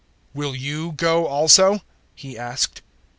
"Will you go also?" He asked.